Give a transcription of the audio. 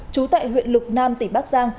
trú tại huyện lục nam tỉnh bắc giang